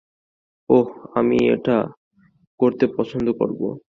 ওহ, আমি ঐটা করতে পছন্দ করবো।